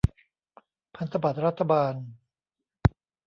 พันธบัตรรัฐบาล